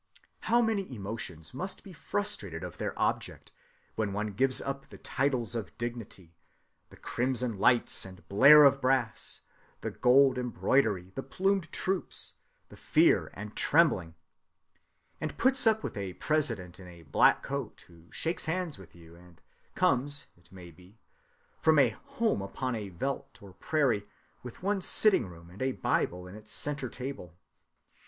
How many emotions must be frustrated of their object, when one gives up the titles of dignity, the crimson lights and blare of brass, the gold embroidery, the plumed troops, the fear and trembling, and puts up with a president in a black coat who shakes hands with you, and comes, it may be, from a "home" upon a veldt or prairie with one sitting‐room and a Bible on its centre‐table.